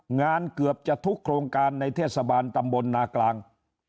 งานเกือบจะทุกโครงการในเทศบาลตำบลนากลาง